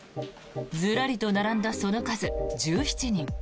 ずらりと並んだその数１７人。